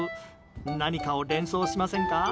何かを連想しませんか？